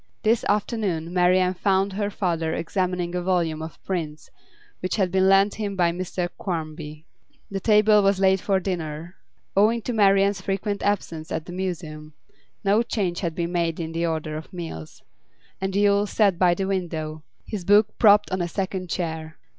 This afternoon Marian found her father examining a volume of prints which had been lent him by Mr Quarmby. The table was laid for dinner (owing to Marian's frequent absence at the Museum, no change had been made in the order of meals), and Yule sat by the window, his book propped on a second chair.